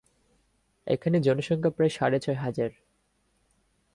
এখানে জনসংখ্যা প্রায় সাড়ে ছয় হাজার।